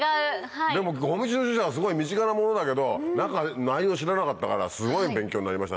でもごみ収集車はすごい身近なものだけど内容知らなかったからすごい勉強になりました